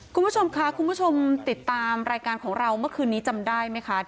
คุณผู้ชมค่ะคุณผู้ชมติดตามรายการของเราเมื่อคืนนี้จำได้ไหมคะ